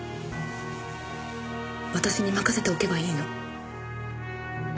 私に任せておけばいいの。